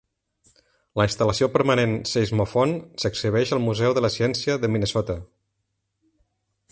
La instal·lació permanent Seismofon s'exhibeix al Museu de la Ciència de Minnesota.